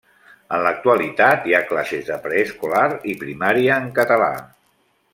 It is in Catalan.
En l'actualitat hi ha classes de preescolar i primària en català.